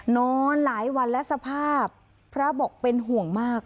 นอนหลายวันและสภาพพระบอกเป็นห่วงมาก